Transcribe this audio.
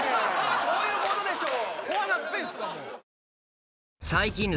そういうことでしょ！